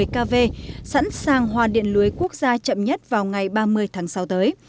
một trăm một mươi kv sẵn sàng hòa điện lưới quốc gia chậm nhất vào ngày ba mươi tháng sáu tới